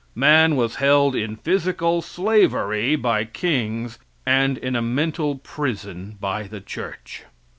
Man was held in physical slavery by kings, and in a mental prison by the church.